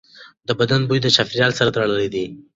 د بدن بوی د چاپېریال سره تړلی دی.